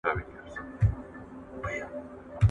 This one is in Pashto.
انټرنیټ د معلوماتو د ترلاسه کولو خنډونه ماتوي.